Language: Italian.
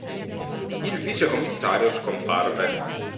Il vicecommissario scomparve.